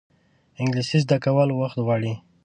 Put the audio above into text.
انګلیسي زده کول وخت غواړي